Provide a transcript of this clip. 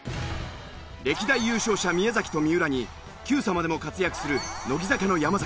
歴代優勝者宮崎と三浦に『Ｑさま！！』でも活躍する乃木坂の山崎。